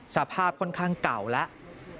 สภาพค่อนข้างเก่าแล้ว